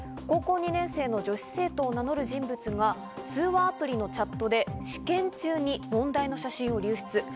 高校２年生の女子生徒を名乗る人物が通話アプリのチャットで試験中に問題の写真を流出。